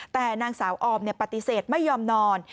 แต่นางสาวออมปฏิเสธไม่ยอมนอน